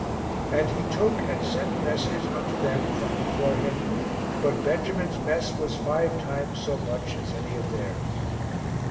"And he took and sent messes unto them from before him; but Benjamin's mess was five times so much as any of theirs."